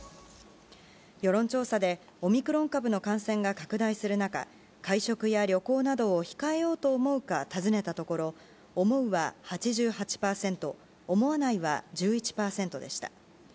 世論調査でオミクロン株の感染が拡大する中会食や旅行などを控えようと思うか尋ねたところ思うは８８％思わないは１１％でした。